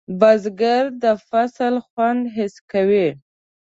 بزګر د فصل خوند حس کوي